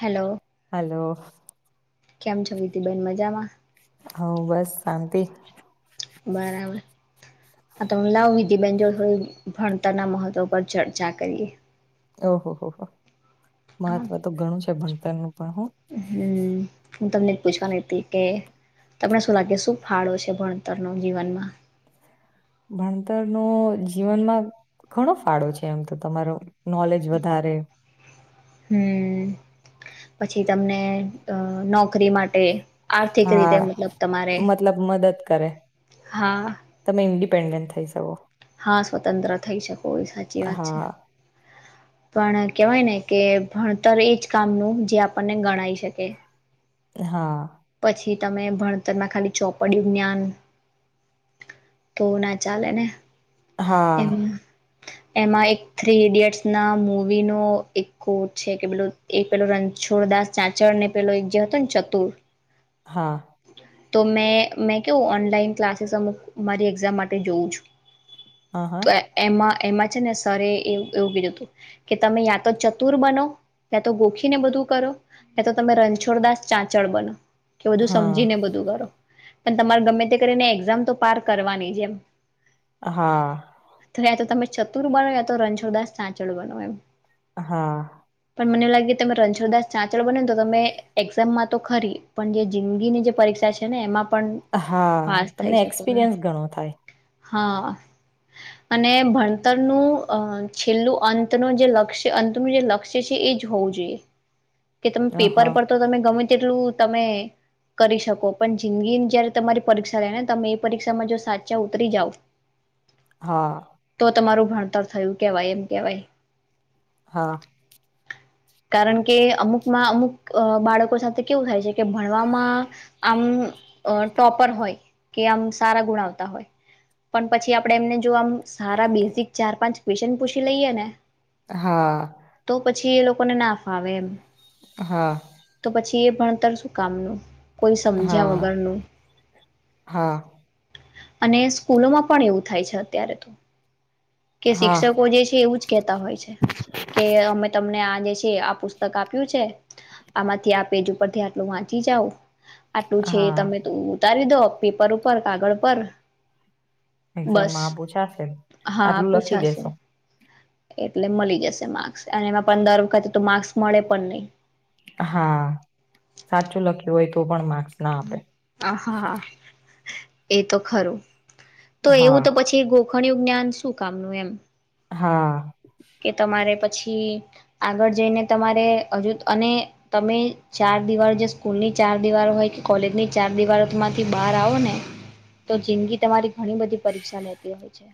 Hello hello કેમ છો વિધિબેન મજામાં હ બસ શાંતિ બરાબર આ તમે લાવ વિધિબેન જો થોડી ભણતરના મહત્વ પર ચર્ચા કરીએ. ઓહો હોહ મહત્વ તો ઘણું છે ભણતરનું પણ હો હમ હું તમને જ પૂછવાની હતી કે તમને શું લાગે શું ફાળો છે ભણતરનો જીવનમાં ભણતરનો જીવનમાં ઘણો ફાળો છે એમ તો તમારો નોલેજ વધારે હમ પછી તમને અ નોકરી માટે આર્થિક હા રીતે મતલબ તમારે મતલબ મદદ કરે હા તમે ઇન્ પેન્ડન્ટ થઈ શકો. હા સ્વતંત્ર થઈ શકે સાચી વાત છે. હા પણ કેવાય ને કે ભણતર એજ કામનું જે આપણને ગણાય શકે હા. પછી તમે ભણતરમાં ખાલી ચોપડયું જ્ઞાન તો ના ચાલે ને એમ હા. એમાં એક થ્રી ઈડિયટ્સ ના મૂવીનો એક કોટ છે કે પે એક પેલો રણછોડદાસ ચાચળને પેલો એક જે હતો ને ચતુર હા. તો મેં મેં કેવું ઓનલાઈન ક્લાસીસ અમુક મારી એક્ઝામ માટે જોઉું છું. હ હા તો એમાં એમાં છે ને સર એ એવું કીધું હતું કે તમે યા તો ચતુર બનો ત્યા તો ગોખીને બધું કરો યાં તો તમે રણછોડદાસ ચાંચળ બનો કે હા સમજીને બધું કરો પણ તમારે ગમે તે કરીને એક્ઝામ તો પાર કરવાની છે એમ હા. તો યા તો તમે ચતુર બનો યા તો રણછોડદાસ ચાચળ બનો એમ હા મને લાગે તમે રણછોડ દાસ ચાંચળ બને તો તમે એક્ઝામમાં તો ખરી પણ જે જિંદગીની જે પરીક્ષા છે ને એમાં પણ હા પાસ થઈ તમને શકો છો એક્સપિરિયન્સ ઘણો થાય. હા અને ભણતરનું છેલ્લું અંતનું જે લક્ષ્ય અંતનું જે લક્ષ્ય છે એ જ હોવું જોઈએ કે તમે હ પેપર પર તો તમે ગમે કેટલું તમે કરી શકો પણ જિંદગીની જયારે તમારી પરીક્ષા રહેે ને તમે એ પરીક્ષામાં જો સાચા ઉતરી જાવ હા તો તમારું ભણતર થયું કેવાય એમ કેવાય હા કારણ કે અમુકમાં અમુક બાળકો સાથે કેવું થાય છે કે ભણવામાં આમ ટોપર હોય કે આમ સારા ગુણ આવતા હોય પણ પછી આપણે એમને જો આમ સારા બેઝિક ચાર પાંચ ક્વેશન પૂછી લઈએ ને હા છે લોકો લોકોને ના ફાવે એમ હા તો એ ભણતર શું કામનું કોઈ સમજ્યા વગરનું હા અને સ્કૂલોમાં પણ એવું થાય છે અત્યારે તો કે હા હા શિક્ષકો જે છે એવું જ કેતા હોય છે કે અમે તમને આ જે પુસ્તક આપ્યું છે આમાંથી આ પેજ ઉપરથી આટલું વાંચી જાવ આટલુ છે હા તમે તો ઉતારી દો પેપર ઉપર કાગળ પર બસ એક્ઝામમાં પૂછાશે હા આટલું લખી પૂછાશે દેસો એટલે મળી જશે માર્ક્સ અને એમાં પણ દર વખતે તો માર્ક્સ મળે પણ નહી હા સાચું લખ્યું હોય તો પણ મા હા હા એ તો ખરું તો એવું હા તો પછી ગો ગોખણયુ જ્ઞાન શું કામનું એમ હા કે તમારે પછી આગળ જઈને તમારે હજુ અને તમે ચાર દિવારો જે સ્કૂલની ચાર દિવારો હોય કે કોલેજની ચાર દિવારોમાંથી બહાર આવો ને તો જિંદગી તમારી ઘણી બધી પરીક્ષા લેતી હોય છે.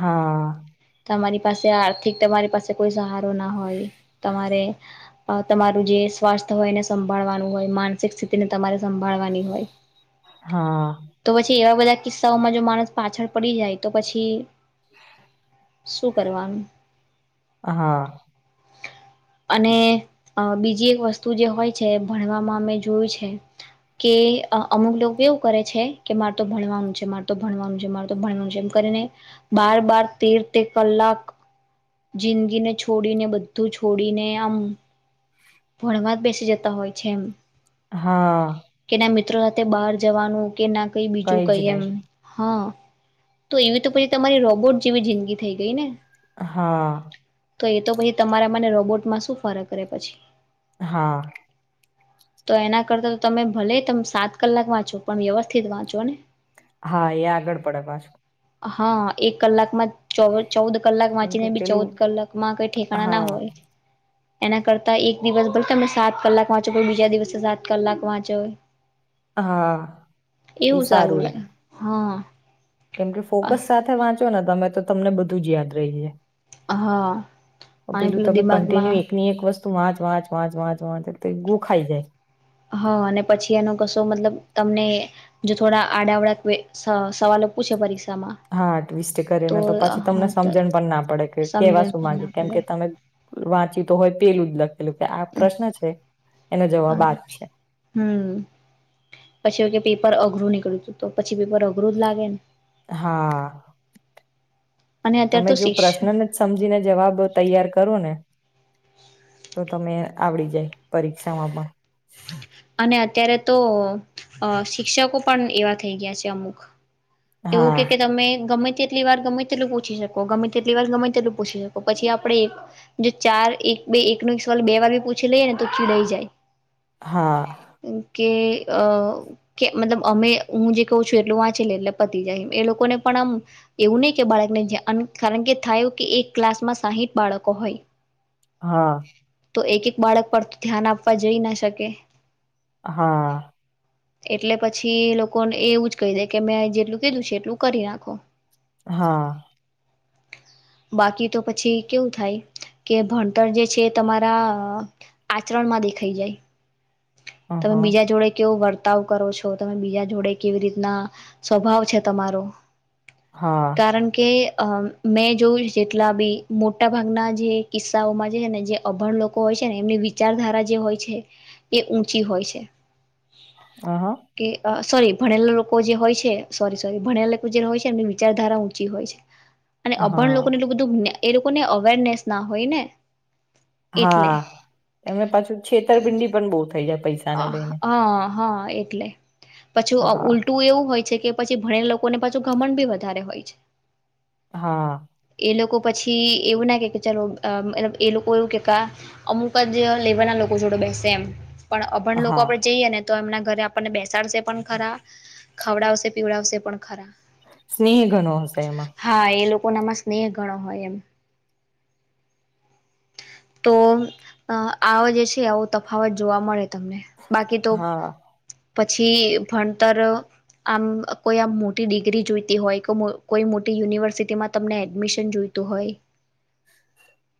હા તમારી પાસે આ આ તમારી પાસે કોઈ સહારો ના હોય, તમારે તમારું જે સ્વાસ્થ્ય હોય એને સંભાળવાનું હોય, માનસિક સ્થિતિને તમારે સંભાળવાની હોય. હા તો પછી એવા બધા કિસ્સાઓમાં જો માણસ પાછળ પડી જાય તો પછી [unintelligible] શું કરવાનું? હા. અને બીજી એક વસ્તુ જે હોય છે ભણવામાં મેમે જોયું છે કે અમુક લોકો એવું કરે છે કે મારે તો ભણવાનું છે, મારે તો ભણવાનું છે, મારે તો ભણવાનું છે, એમ કરીને બાર-બાર તેર- તેર કલાક જિંદગીને છોડીને બધું છોડીને આમ. ભણવા જ બેસી જતા હોય છે એમ. હા. કે મિત્રો સાથે બહાર જવાનું. કે ના કઈ બીજું કઈ જ એમ નહી હા. તો એવી તો પછી તમારી રોબોટ જેવી જિંદગી થઈ ગઈ ને. હા. તો એ તો પછી તમારા મને રોબોટમાં શું ફરક રહેે પછી? હા. તો એના કરતા તો તમે ભલે તમે સાત કલાક વાંચો, પણ વ્યવસ્થિત વાંચો ને. હા, એ આગળ પડે પાછું. હા, એક કલાકમાં ચો ચૌદ કલાક કેમ કે વાંચીને બી પેલું ચૌદ કલાક માં કંઈ ઠેકાણા ના હા હોય. એના કરતા એક દિવસ ભલે, તમે સાત કલાક વાંચો બીજા દિવસે સાત કલાક વાંચો. હા, એ એવું સારું. લાગે હા કેમ કે, ફોકસ સાથે વાંચો ને, તમે તો. તમને બધું જ યાદ રહે છે. હા અને પેલું તમે દિમાગમાં કન્ટિન્યુ એક ની એક વસ્તુ વાચ, વાંચ, વાંચ, વાંચ, વાચ. ગું ખાઈ જાય. હા, અને પછી એનો કશો મતલબ? તમને જો થોડા આડા- અવડા સવાલો પૂછે પરી હા, ટ્વિસ્ટ કરીને તો પછી તમને હા તો સમજણ પણ ના પડે, કે કેવા સમજણ શું પણ ના માંગે, કેમ પડે કે તમે વાંચી તો હોય તે ઉદલક જવાબ આ જ છે હમ, પછી કે પેપર અઘરું ની હુ તો પછી પેપર અઘરું જ લાગે ને. હા, અને અત્યારે તમે તો જો પ્રશ્નને શિક્ષ જ સમજીને જવાબ તૈયાર કરો ને. તો તમે આવડી જાય પરીક્ષામાં પણ. અને અત્યારે તો શિક્ષકો પણ એવા થઈ ગયા છે અમુક. એવું હા કે, કે તમે ગમે કેટલી વાર ગમે તેટલું પૂછી શકો ગમે તેટલી વાર ગમે તેટલું પૂછી શકો પછી આપડે એ જો ચાર એક બે એક ન એક સવાલ બે વાર બી પૂછી લઈએ ને તો રેય જાય. હા. કે અ કે મતલબ અમે હું જે કહઉ છું એટલું વાંચે લે એટલે પતી જાય એ એ લોકોને પણ આમ એવું નહી કે બાળકને કારણ કે થાયું કે એક ક્લાસમાં સાહીઠ બાળકો હોય. હા. તો એક એક બાળક પર ધ્યાન આપવા જઈ ના શકે. કે હા. એટલે પછી લોકોને એવું જ કહી દે કે મેં જેટલું કીધું છે એટલું કરી નાખો. હા. બાકી તો પછી કેવું થાય કે ભણતર જે છે તમારા આચરણમાં દેખાઈ જાય. અહ તમે બીજા જોડે કેવું વર્ તાવ કરો છો તમે બીજા જોડે કેવી રીતના સ્વભાવ છે તમારો. કારણ કે અ મે જોયૂસ જેટલા બી મોટા ભાગના જે કિસ્સાઓમાં જે છે ને જે અભણ લોકો હોય છે ને એમની વિચારધારા જે હોય છે એ ઊંચી હોય છે. હા કે અ સોરી ભણેલા લોકો જે હોય છે સોરી સોરી ભણેલા લોકો જે હોય છે એમની વિચારધારા ઊંચી હોય છે. અને અહ અબ ભણ હા લોકોને એટલુ બધું એ લોકોને અવેરનેસ ના હોય ને. હા એટલે એમને પાછું છેતરપિંડી પણ બો થઇ જાય પૈસા અ [unintelligible] હા એટલે પછું અ હા ઉલટું એવું હોય છે. કે પછી ભણેલા લોકોને પાછું ગમડ બી વધારે હોય છે. હા. એ લોકો પછી એવું ના કે કે ચલો અ અમ એ લોકો એવું કા અમુક જ લેવલ ના લોકો જોડે બેસે એમ પણ અભણ લોકો હા આપણે જઈએ ને તો એમના ઘરે આપણને બેસાડશે પણ ખરા ખવડાવશે પીવડાવશે પણ ખરા. સ્નેહ ઘનો હશે એમાં. કોનામાં સ્નેહ ગણો હોય એમ. તો અ આ જે છે આવો તફાવત જોવા મળે. તમને બાકી તો હા પછી ભણતર આમ કોઈ આમ મોટી ડિગ્રી જોઈતી હોય કોઈ મો કોઈ મોટી યુનિવર્સિટીમાં તમને એડમિશન જોઈતું હોય.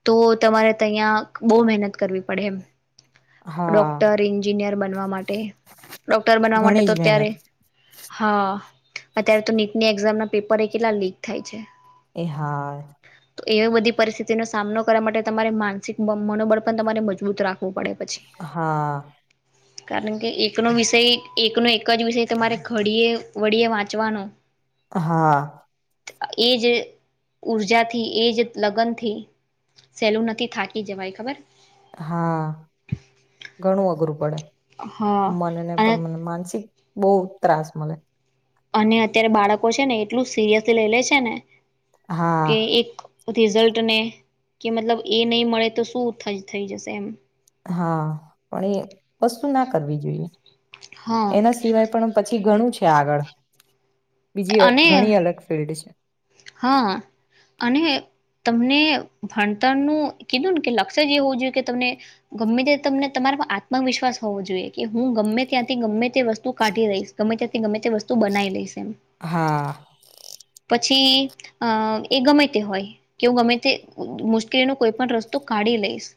તો તમારે તયા બો મહેનત કરવી પડે એમ. હા ડોક્ટર ઈન્જિનિયર બન વા માડ તે ડોક્ટર બનવા માટે ઘણી જ તો ત્યારે મહેનત હા અત્યારે તો નીટની એક્ઝામ ના પેપર એ કેટલા લીક થાય છે. એ હા. તો એવી બધી પરિસ્થિતિનો સામનો કરવા માટે તમારે માનસિક બમ મનોબળ પણ તમારે મજબૂત રા હા. કારણ કે એકનો વિષય એકનો એક જ વિષય તમારે ઘડીએ વળીએ વાંચવાનો હા. એજ ઊર્જાથી એજ લગ્ન થી સેલું નથી થાકી જવાય ખબર? હા ઘણું અઘરું પડ હા મનને અને તમન માનસિક બહુ ત્રાસ મલે અને અત્યારે બાળકો છે ને એટલું સિરિયસલી લઈ લે છે ને હા કે એક રિઝલ્ટ ને કે મતલબ એ નહી મળે તો શું થ-થઈ જશે એમ. હા, પણ એ વસ્તુ ના કરવી જોઈએ. હા એના સિવાય પણ પછી ઘણું છે આગળ બીજી અહ અને ઘણી અલગ ફિલ્ડ છે. હા અને તમને ભણતરનું કીધું ને કે લક્ષ્ય જ એ હોવું જોઈએ કે તમે ગમે તે તમને તમારામાં આત્મવિશ્વાસ હોવો જોઈએ કે હું ગમે ત્યાંથી ગમે તે વસ્તુ કાઢી લઈશ ગમે ત્યાંથી ગમે તે વસ્તુ બનાઈ લઈશ એમ. હા. પછી અહ એ ગમે તે હોય કે હું ગમે તે મુ-મુશ્કેલીનો કોઈ પણ રસ્તો કાઢી લઈશ.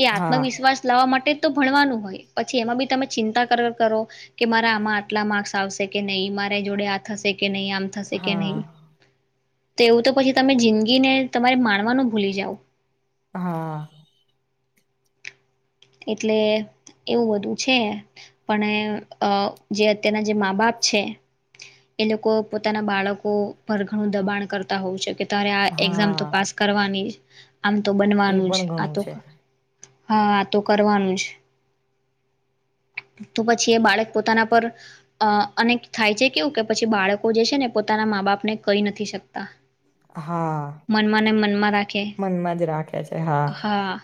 એ હા આત્મવિશ્વાસ લાવવા માટે તો ભણવાનું હોય પછી એમાં બી તમે ચિંતા કર-કરો કે મારા આમાં આટલા માર્ક્સ આવશે કે નહીં મારે જોડે આ થશે કે નહી, આમ થશે કે હા નહીં. તો એવું તો પછી તમે જિંદગીને તમારે માણવાનું ભૂલી જાવ. હા એટલે એવું બધું છે. પણ એ અહ જે અત્યારના જે મા બાપ છે એ લોકો પોતાના બાળકો પર ઘણું દબાણ કરતા હોઉ છે કે તારે આ એક્ઝામ તો હા પાસ કરવાની જ. આમ તો એ બનવાનું જ પણ આ ઘણું તો છે હા. તો કરવાનું જ. તો પછી એ બાળક પોતાના પર અહ અને થાય છે કેવું કે પછી બાળકો જે છે ને પોતાના મા બાપ ને કહી નથી શકતા. હા મનમાંને મનમાં રાખે. મનમાં જ રાખે છે હા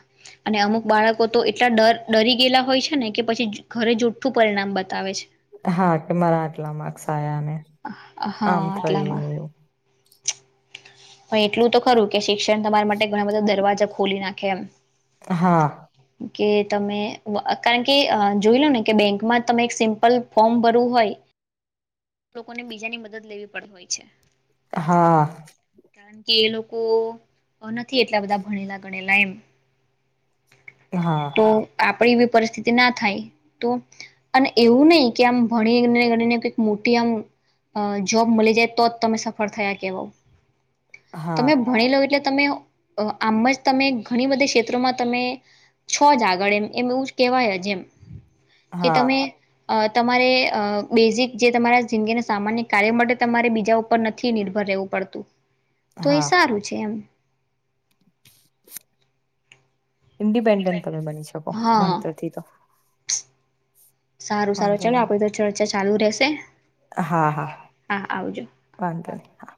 અને અમુક બાળક તો એટલા ડર-ડરી ગયેલા હોય છે ને કે પછી જ ઘરે જુઠ્ઠું પરિણામ બતાવે છે. હા કે માર આટલા માર્ક્સ આયા ને આમ હા થયું એટલામાં ને એવું. પણ એટલું તો ખરું કે શિક્ષણ તમાર માટે ઘણા બધા દરવાજા ખોલી નાખે એમ. હા. કે તમે વ અ કારણ કે અ જોઈ લો ને કે બેંકમાં તમે એક સિમ્પલ ફોર્મ ભરવું હોય લોકોને બીજાની મદદ લેવી પડ હોય છે. હા કારણ કે એ લોકો નથી એટલા બધા ભણેલા ગણેલા એમ. હા તો આપ પણ એવી પરિસ્થિતિ ના થાય તો? અને એવું નઈ કે આમ ભણીને ગણીને કંઈ મોટી આમ અ જોબ મલી જાય તો જ તમે સફળ થયા કેવાવ હા તમે ભણીલો એટલે તમે અ-આમ જ તમે ઘણી બધી ક્ષેત્રોમાં તમે છો જ આગળ એમ એમ એવું કેવાય જ એમ. કે હા તમે અ તમારે અ બેઝિક જે તમારા જિંદગીના સામાન્ય કાર્ય માટે તમારે બીજા ઉપર નથી નિર્ભર રેવું પડતું. તો એ હા સારું છે એમ. ઇન્ડિપેન્ડન્ટ તમે બની શકો હા ભણતરથી તો સારું સારું વાંધો ચાલો આપડી નહી તો ચર્ચા ચાલુ રહેશે હા હા હા આવજો વાંધો નહી હા